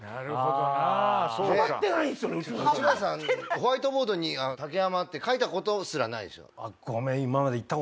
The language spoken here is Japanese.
ホワイトボードに「竹山」って書いたことすらないでしょ？